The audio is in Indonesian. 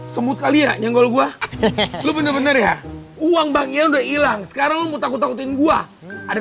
semut kali ya nyenggol gue bener bener ya uang banknya udah hilang sekarang mau takut takutin gua ada